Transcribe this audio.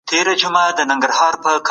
د علم پيغام بشريت ته ډېر مهم دی.